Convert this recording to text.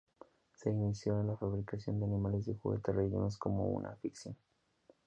Se inició en la fabricación de animales de juguete rellenos como una afición.